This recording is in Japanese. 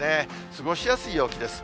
過ごしやすい陽気です。